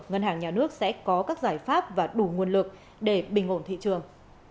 ngân hàng nhà nước sẽ có các giải pháp và đủ nguồn lực để bình ổn thị trường